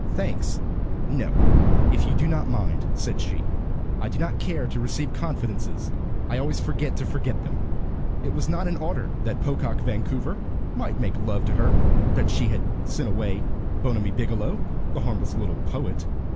"Thanks no, if you do not mind," said she. "I do not care to receive confidences, I always forget to forget them." It was not in order that Pocock Vancouver might make love to her that she had sent away Bonamy Biggielow, the harmless little poet.